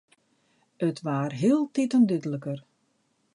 It waard hieltiten dúdliker.